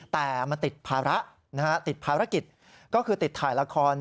แต่มันติดภาระนะฮะติดภารกิจก็คือติดถ่ายละคร